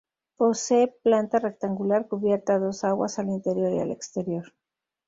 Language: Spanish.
Posee planta rectangular cubierta a dos aguas al interior y al exterior.